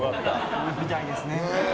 みたいですね。